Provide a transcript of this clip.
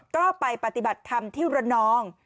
ก็ไปปฏิบัติธรรมที่ระนอง